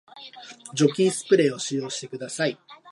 除菌スプレーを使用してください